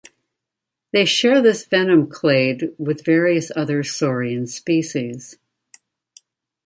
They share this venom clade with various other saurian species.